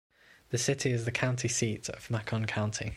The city is the county seat of Macon County.